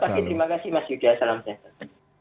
selamat pagi terima kasih mas yudha salam sehat selalu